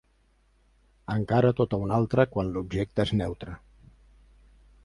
Encara tota una altra quan l'objecte és neutre.